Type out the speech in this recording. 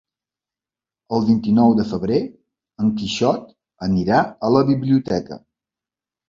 El vint-i-nou de febrer en Quixot anirà a la biblioteca.